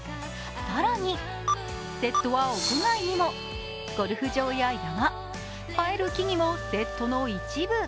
更にセットは屋外にもゴルフ場や山、生える木もセットの一部。